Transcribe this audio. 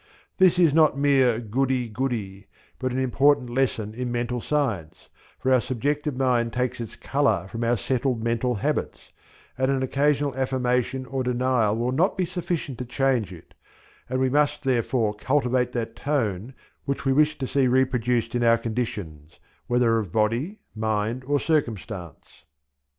This is not mere "goodie, goodie," but an important lesson in Mental Science, for our subjective mind takes its colour from our settled mental habits, and an occasional affirmation or denial will not be sufficient to change it; and we must therefore cultivate that tone which we wish to see reproduced in our conditions whether of body, mind, or circumstance.